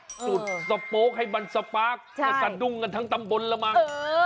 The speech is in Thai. จุดสโป๊กให้มันสปาร์คจะสะดุ้งกันทั้งตำบลละมั้ง